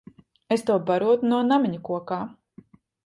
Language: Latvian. Es to barotu no namiņa kokā.